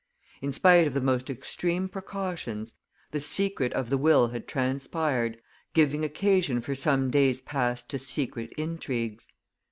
In spite of the most extreme precautions, the secret of the will had transpired, giving occasion for some days past to secret intrigues.